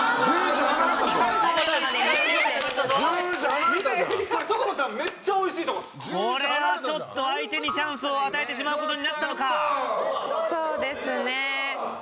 そうですね。